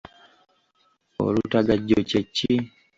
Olutagajjo kye ki?